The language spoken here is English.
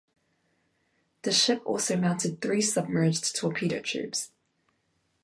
The ship also mounted three submerged torpedo tubes.